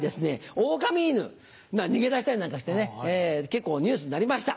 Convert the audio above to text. オオカミ犬逃げ出したりなんかしてね結構ニュースになりました。